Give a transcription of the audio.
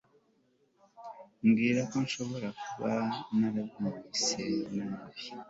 Nibwira ko nshobora kuba narabyumvise nabi